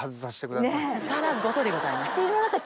殻ごとでございます。